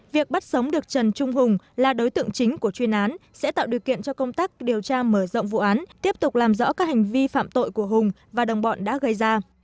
việc bắt sống được trần trung hùng là đối tượng chính của chuyên án sẽ tạo điều kiện cho công tác điều tra mở rộng vụ án tiếp tục làm rõ các hành vi phạm tội của hùng và đồng bọn đã gây ra